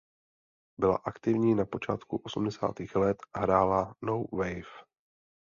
Byla aktivní na počátku osmdesátých let a hrála no wave.